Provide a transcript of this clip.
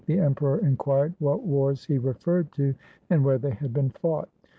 The Emperor inquired what wars he referred to, and where they had been fought.